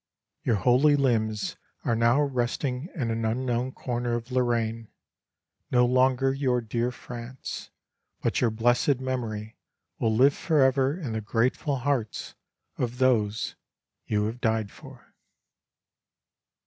"Your holy limbs are now resting in an unknown corner of Lorraine no longer your dear France but your blessed memory will live forever in the grateful hearts of those you have died for!"